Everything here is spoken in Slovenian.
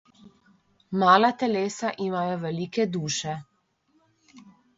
Mala telesa imajo velike duše.